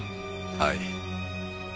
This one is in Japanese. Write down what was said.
はい。